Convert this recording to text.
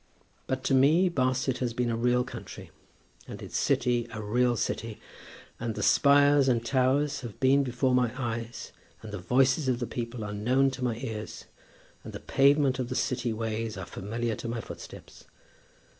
But to me Barset has been a real county, and its city a real city, and the spires and towers have been before my eyes, and the voices of the people are known to my ears, and the pavement of the city ways are familiar to my footsteps.